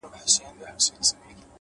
د بازار د تورو تیارو کوڅو خپل نظم وي؛